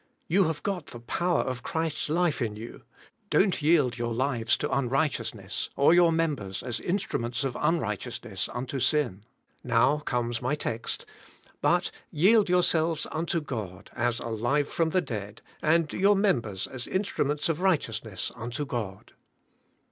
You have got the power of Christ's life in you; don't yield your lives to un righteousness, or your members as instruments of unrighteousness unto sin — now comes my text —'"'' But yield yourselves unto God as alive from the dead^ and your members as instruments of righteous ness unto God.'''